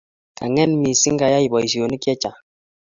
Kaang'et missing', kayai poisyonik chechang'